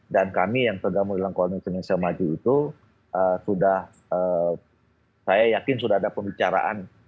dan kami yang bergabung dalam koalisi indonesia maju itu sudah saya yakin sudah ada pembicaraan